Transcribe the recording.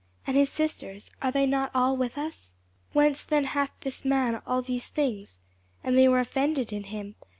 And his sisters, are they not all with us? Whence then hath this man all these things? And they were offended in him.